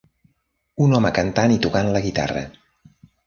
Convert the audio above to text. Un home cantant i tocant la guitarra.